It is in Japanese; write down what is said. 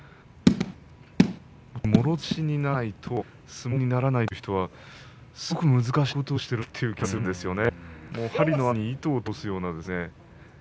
常にもろ差しにならないと相撲にならないという人はすごく難しいことをしているんだなという気がするんですよね。